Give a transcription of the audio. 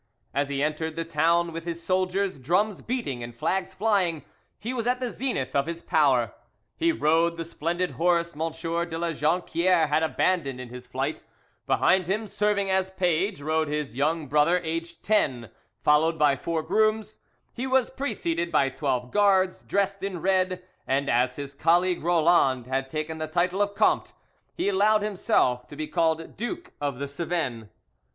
As he entered the town with his soldiers, drums beating and flags flying, he was at the zenith of his power. He rode the splendid horse M. de La Jonquiere had abandoned in his flight; behind him, serving as page, rode his young brother, aged ten, followed by four grooms; he was preceded by twelve guards dressed in red; and as his colleague Roland had taken the title of Comte, he allowed himself to be called Duke of the Cevennes.